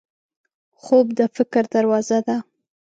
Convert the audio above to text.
خوب د فکر دروازه ده